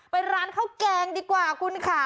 ไปร้านข้าวแกงดีกว่าคุณค่ะ